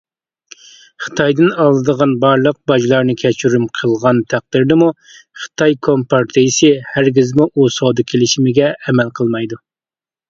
خىتايدىن ئالىدىغان بارلىق باجلارنى كەچۈرۈم قىلغان تەقدىردىمۇ، خىتاي كومپارتىيەسى ھەرگىزمۇ ئۇ سودا كېلىشىمىگە ئەمەل قىلمايدۇ.